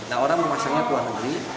nah orang memasangnya ke luar negeri